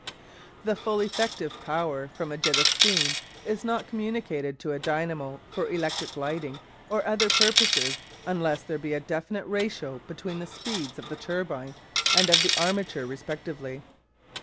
The full effective power from a jet of steam is not communicated to a dynamo for electric lighting or other purposes unless there be a definite ratio between the speeds of the turbine and of the armature respectively.